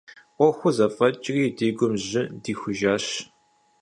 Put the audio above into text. Ӏуэхур зэфӀэкӀри, ди гум жьы дихужащ.